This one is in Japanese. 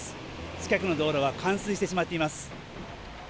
近くの道路は冠水してしまっています。